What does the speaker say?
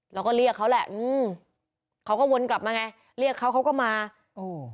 เราก็เรียกเขาแหละอืมเขาก็วนกลับมาไงเรียกเขาเขาก็มาโอ้